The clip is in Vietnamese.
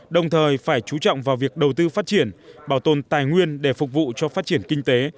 đồng thời phải chú trọng vào việc đầu tư phát triển bảo tồn tài nguyên để phục vụ cho phát triển kinh tế